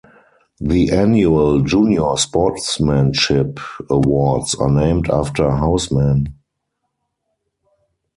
The annual junior sportsmanship awards are named after Houseman.